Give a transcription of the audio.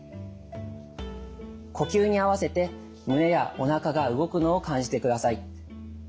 呼吸にあわせて胸やおなかが動くのを感じてください。